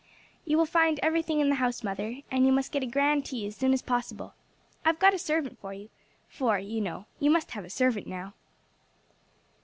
"You will find everything in the house, mother, and you must get a grand tea as soon as possible. I have got a servant for you for, you know, you must have a servant now."